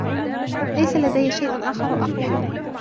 ليس لدي شيء آخر أقوله.